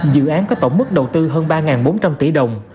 dự án có tổng mức đầu tư hơn ba bốn trăm linh tỷ đồng